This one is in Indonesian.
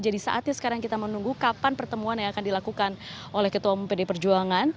jadi saatnya sekarang kita menunggu kapan pertemuan yang akan dilakukan oleh ketua umum pd perjuangan